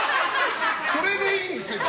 それでいいんですよ。